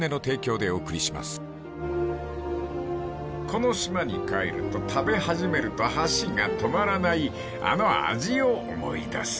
［この島に帰ると食べ始めると箸が止まらないあの味を思い出す］